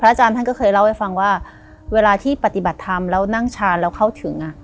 อาจารย์ท่านก็เคยเล่าให้ฟังว่าเวลาที่ปฏิบัติธรรมแล้วนั่งชาแล้วเข้าถึง